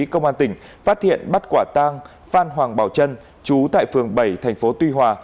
công an tỉnh phát hiện bắt quả tang phan hoàng bảo trân chú tại phường bảy thành phố tuy hòa